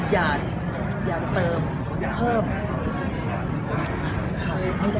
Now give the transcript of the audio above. อย่าเติมเพิ่มขอไม่ได้